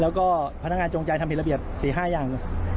แล้วก็พนักงานจงใจทำผิดระเบียบ๔๕อย่าง